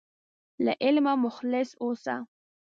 له علمه مخلص اوسه.